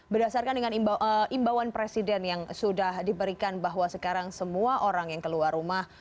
berdasarkan dengan imbauan presiden yang sudah diberikan bahwa sekarang semua orang yang keluar rumah